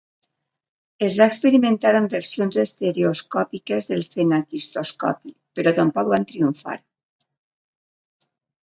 Es va experimentar amb versions estereoscòpiques del fenaquistoscopi, però tampoc van triomfar.